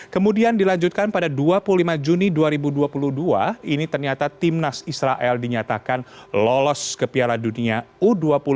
kemudian dilanjutkan pada dua puluh lima juni dua ribu dua puluh dua ini ternyata timnas israel dinyatakan lolos ke piala dunia u dua puluh dua